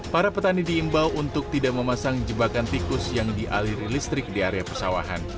para petani diimbau untuk tidak memasang jebakan tikus yang dialiri listrik di area persawahan